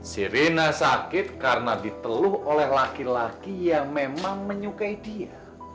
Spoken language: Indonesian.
sirina sakit karena diteluh oleh laki laki yang memang menyukai dia